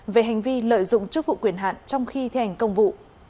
về hành vi lợi dụng chức vụ quyền hạn trong khi thành công vụ